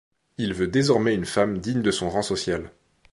Il veut désormais une femme digne de son rang social.